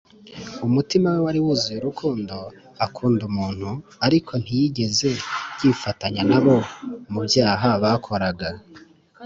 umutima we wari wuzuye urukundo akunda umuntu, ariko ntiyigeze yifatanya na bo mu byaha bakoraga